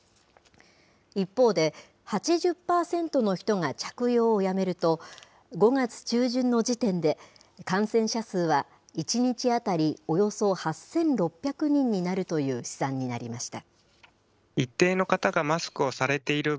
一方で、８０％の人が着用をやめると、５月中旬の時点で、感染者数は１日当たりおよそ８６００人になるという試算になりました。